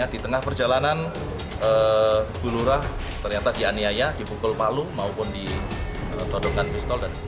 di tengah perjalanan gulurah ternyata dianiaya dibukul palu maupun ditodongkan pistol